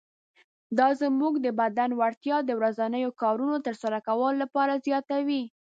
دا زموږ د بدن وړتیا د ورځنیو کارونو تر سره کولو لپاره زیاتوي.